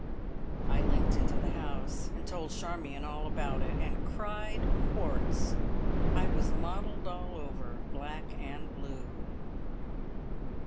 I limped into the house and told Charmion all about it, and cried quarts. I was mottled all over, black and blue.